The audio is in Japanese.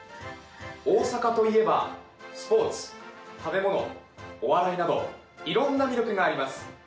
大阪といえばスポーツ食べ物、お笑いなどいろんな魅力があります。